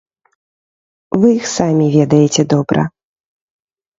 Вы іх самі ведаеце добра.